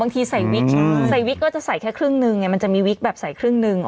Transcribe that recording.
ทีใส่วิกใส่วิกก็จะใส่แค่ครึ่งนึงมันจะมีวิกแบบใส่ครึ่งหนึ่ง